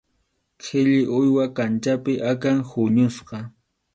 Qhilli, uywa kanchapi akan huñusqa.